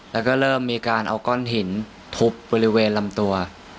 แล้วก็เริ่มมีการเอาก้อนหินทุบบริเวณลำตัว